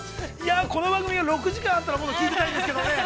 この番組が６時間あったらもっと聞いてたいんですけどね。